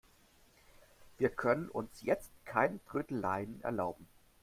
Wir können uns jetzt keine Trödeleien erlauben.